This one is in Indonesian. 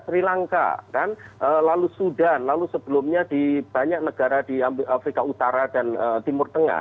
sri lanka lalu sudan lalu sebelumnya di banyak negara di afrika utara dan timur tengah